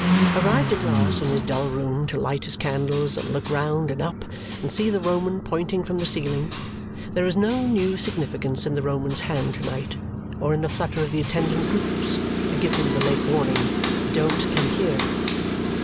Arrived at last in his dull room to light his candles, and look round and up, and see the Roman pointing from the ceiling, there is no new significance in the Roman's hand to night or in the flutter of the attendant groups to give him the late warning, "Don't come here!"